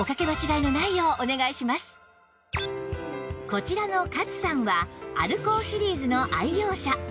こちらの勝さんはアルコーシリーズの愛用者